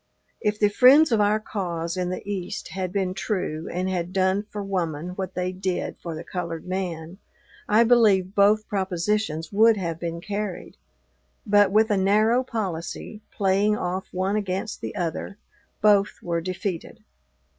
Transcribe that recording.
If the friends of our cause in the East had been true and had done for woman what they did for the colored man, I believe both propositions would have been carried; but with a narrow policy, playing off one against the other, both were defeated.